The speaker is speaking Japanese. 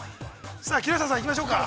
さあ木下さん、いきましょうか。